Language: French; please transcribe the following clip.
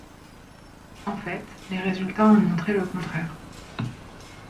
En fait, les résultats ont montré le contraire.